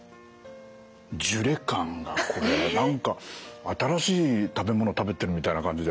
ジュレ感がこれ何か新しい食べ物食べてるみたいな感じで。